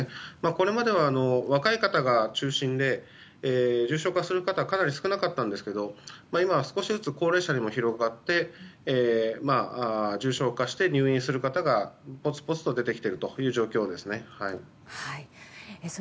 これまでは若い方が中心で重症化する方はかなり少なかったんですが今、少しずつ高齢者にも広がり重症化して入院する方がぽつぽつと出てきている状況です。